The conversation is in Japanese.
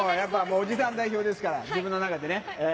おじさん代表ですから、自分の中でね。